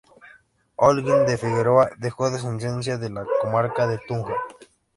Holguín de Figueroa dejó descendencia en la comarca de Tunja.